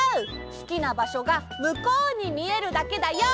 すきなばしょがむこうにみえるだけだよ。